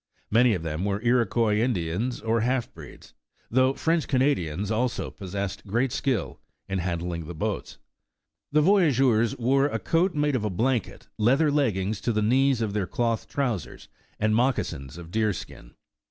Many of them were Iroquois Indians or half breeds, though French Canadians also possessed great wskill in handling the boats. The voyageurs wore a coat made of a blanket, leather leggings to the knees of their cloth trousers, and moc casins of deer skin.